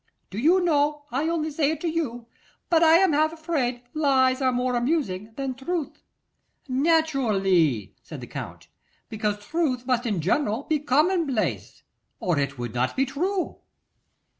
Do you know, I only say it to you, but I am half afraid lies are more amusing than truth.' 'Naturally,' said the Count, 'because truth must in general be commonplace, or it would not be true.